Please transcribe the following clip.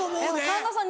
神田さん